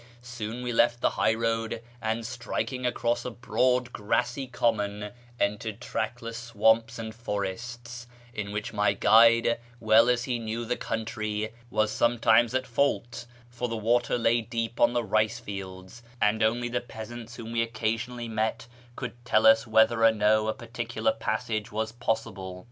Soon we left the high road, and, striking across a broad, grassy common, entered trackless swamps and forests, in which my guide, well as he knew the country, was sometimes at fault ; for the water lay deep on the rice fields, and only the peasants whom we occasionally met could tell us whether or no a particular passage was possible.